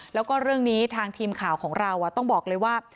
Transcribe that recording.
แล้วก็เรื่องนี้ทางทีมข่าวของเราต้องบอกเลยว่า